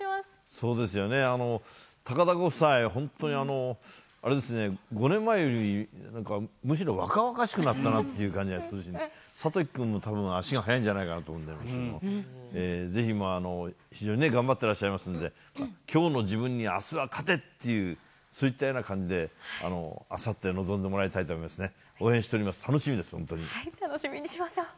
そうですよね、高田ご夫妻、本当にあれですね、５年前よりむしろ若々しくなったなという感じがするし、諭樹君もたぶん足が速いんじゃないかなと思いますけど、ぜひ、非常に頑張ってらっしゃいますんで、きょうの自分にあすは勝てっていう、そういったような感じで、あさって、臨んでもらいたいと思いますね、応援しております、楽しみです、楽しみにしましょう。